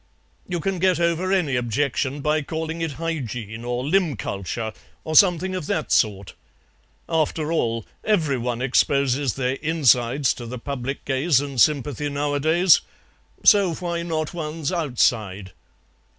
"You can get over any objection by calling it Hygiene, or limb culture, or something of that sort. After all, every one exposes their insides to the public gaze and sympathy nowadays, so why not one's outside?"